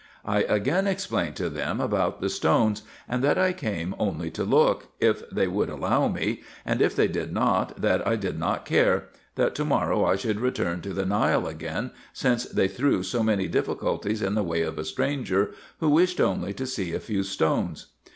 I again explained to them about the stones, and that I came only to look, if they would allow me, and if they did not, that I did not care ; that to morrow I should return to the Nile again, since they threw so many difficulties in the way of a stranger, who wished only to see a few stones.